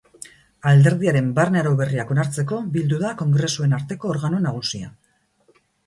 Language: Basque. Alderdiaren barne-arau berriak onartzeko bildu da kongresuen arteko organo nagusia.